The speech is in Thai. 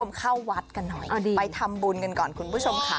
เข้าวัดกันหน่อยไปทำบุญกันก่อนคุณผู้ชมค่ะ